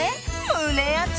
胸アツ！